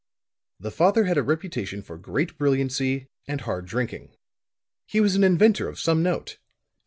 The father had a reputation for great brilliancy and hard drinking. He was an inventor of some note.